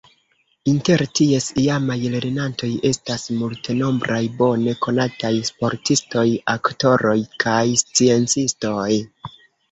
Inter ties iamaj lernantoj estas multenombraj bone konataj sportistoj, aktoroj kaj sciencistoj.